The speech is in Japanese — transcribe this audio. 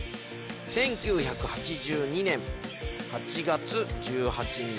１９８２年８月１８日。